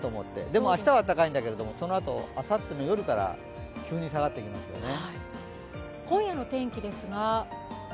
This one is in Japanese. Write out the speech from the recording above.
でも明日は暖かいんだけど、そのあとあさっての夜から急に下がってきますよね。